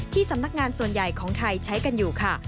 สำนักงานส่วนใหญ่ของไทยใช้กันอยู่ค่ะ